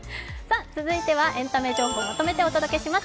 続いてはエンタメ情報をまとめてお届けします。